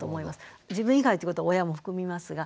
自分以外ってことは親も含みますが。